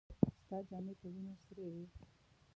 ستا جامې په وينو سرې وې.